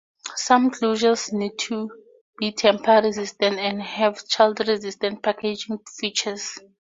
Some closures need to be tamper resistant and have child-resistant packaging features.